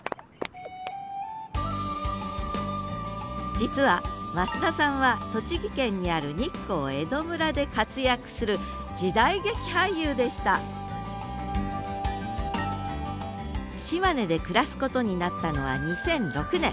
実は増田さんは栃木県にある日光江戸村で活躍する時代劇俳優でした島根で暮らすことになったのは２００６年。